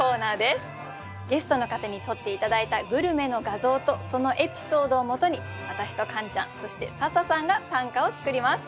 ゲストの方に撮って頂いたグルメの画像とそのエピソードをもとに私とカンちゃんそして笹さんが短歌を作ります。